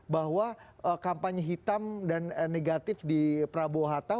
bahwa kampanye hitam dan negatif di prabowo hatta